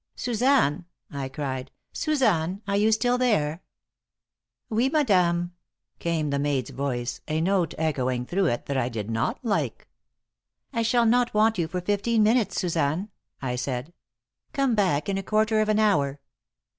"Suzanne!" I cried. "Suzanne, are you still there?" "Oui, madame," came the maid's voice, a note echoing through it that I did not like. "I shall not want you for fifteen minutes, Suzanne," I said. "Come back in a quarter of an hour."